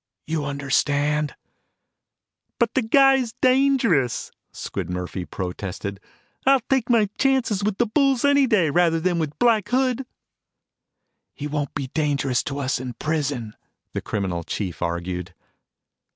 You understand?" "But the guy's dangerous," Squid Murphy protested. "I'll take my chances with the bulls any day, rather than with Black Hood." "He won't be dangerous to us in prison," the criminal chief argued.